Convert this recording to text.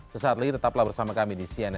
sesaat lagi tetaplah bersama kami di cnn indonesia